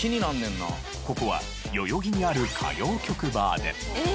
ここは代々木にある歌謡曲バーで。